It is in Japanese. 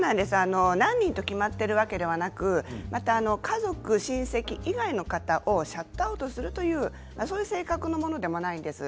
何人と決まっているわけではなくまた家族親戚以外の方をシャットアウトするそういう正確のものでもないんです。